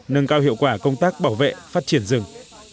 nâng cao hiệu quả công tác bảo vệ phát triển rừng